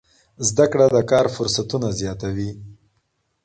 زده کړه د کار فرصتونه زیاتوي.